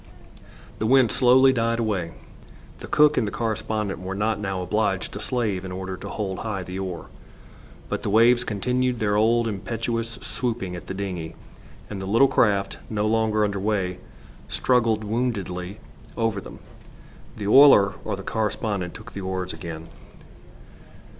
The wind slowly died away. The cook and the correspondent were not now obliged to slave in order to hold high the oar. But the waves continued their old impetuous swooping at the dingey, and the little craft, no longer under way, struggled woundily over them. The oiler or the correspondent took the oars again.